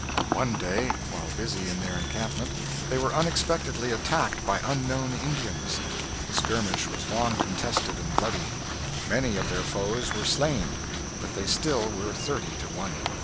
One day, while busy in their encampment, they were unexpectedly attacked by unknown Indians. The skirmish was long contested and bloody; many of their foes were slain, but still they were thirty to one.